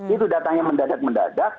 itu datangnya mendadak mendadak